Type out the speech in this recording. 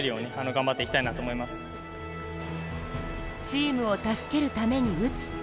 チームを助けるために打つ。